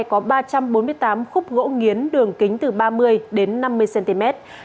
có ba trăm bốn mươi tám khúc gỗ nghiến đường kính từ ba mươi đến năm mươi cm